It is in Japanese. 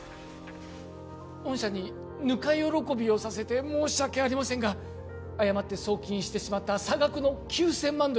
御社にぬか喜びをさせて申し訳ありませんが誤って送金してしまった差額の９千万ドル